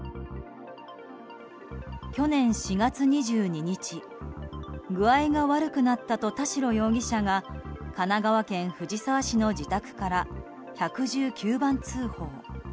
去年４月２２日具合が悪くなったと田代容疑者が神奈川県藤沢市の自宅から１１９番通報。